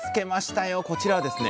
こちらはですね